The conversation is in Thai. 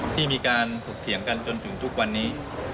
ที่มีการถกเถียงกันจนถึงทุกวันนี้